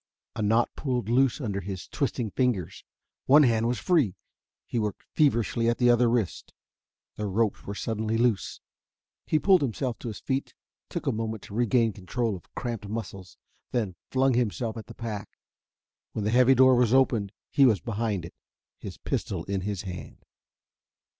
A knot pulled loose under his twisting fingers. One hand was free. He worked feverishly at the other wrist. The ropes were suddenly loose. He pulled himself to his feet, took a moment to regain control of cramped muscles, then flung himself at the pack. When the heavy door opened he was behind it, his pistol in his hand.